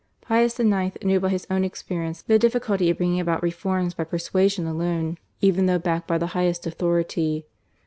Pius IX. knew by his ovm experience the diffi culty of bringing about reforms by [>ersuasion alone, even though backed by the highest authority.